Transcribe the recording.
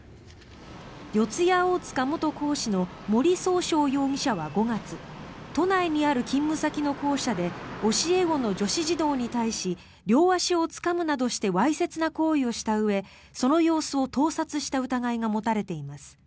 四谷大塚元講師の森崇翔容疑者は５月都内にある勤務先の校舎で教え子の女子児童に対し両足をつかむなどしてわいせつな行為をしたうえその様子を盗撮した疑いが持たれています。